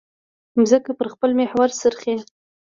مځکه پر خپل محور څرخي.